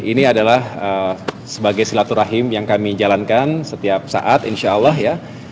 ini adalah sebagai silaturahim yang kami jalankan setiap saat insya allah ya